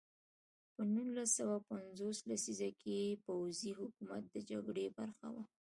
په نولس سوه پنځوس لسیزه کې پوځي حکومت د جګړې برخه وه.